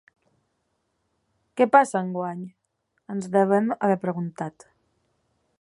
Què passa enguany?, ens devem haver preguntat.